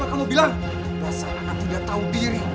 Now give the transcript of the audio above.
dasar anak tidak tahu diri